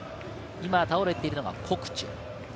今、倒れているのがコクチュ。